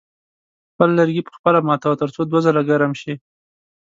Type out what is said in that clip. خپل لرګي په خپله ماتوه تر څو دوه ځله ګرم شي.